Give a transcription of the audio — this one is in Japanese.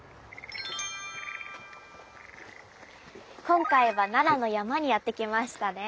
今回は奈良の山にやって来ましたね。